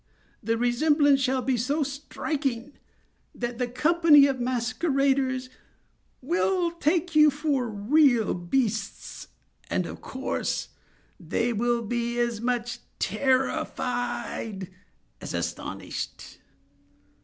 The resemblance shall be so striking, that the company of masqueraders will take you for real beasts—and of course, they will be as much terrified as astonished."